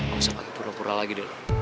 lo bisa pake pura pura lagi deh lo